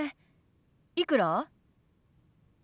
いくら？